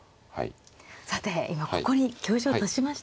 さて今ここに香車を足しました。